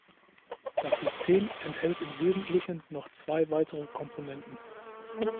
Das System enthält im Wesentlichen noch zwei weitere Komponenten.